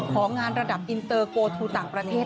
ของงานระดับอินเตอร์โกทูต่างประเทศ